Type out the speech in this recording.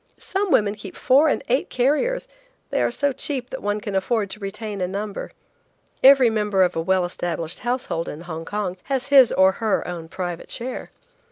Some women keep four and eight carriers; they are so cheap that one can afford to retain a number. Every member of a well established household in Hong Kong has his or her own private chair.